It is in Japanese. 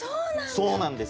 そうなんです。